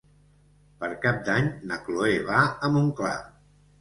Per Cap d'Any na Chloé va a Montclar.